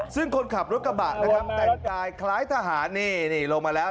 ซึ่งคนขับรถกระบะนะครับแต่งกายคล้ายทหารนี่นี่ลงมาแล้ว